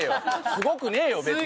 すごくねえよ別に。